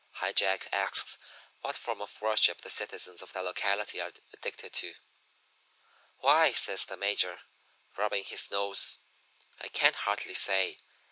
"High Jack asks what form of worship the citizens of that locality are addicted to. "'Why,' says the Major, rubbing his nose, 'I can't hardly say.